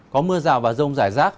có mưa rào và rông giải rác